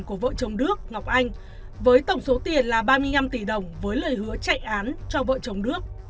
của vợ chồng đức ngọc anh với tổng số tiền là ba mươi năm tỷ đồng với lời hứa chạy án cho vợ chồng đức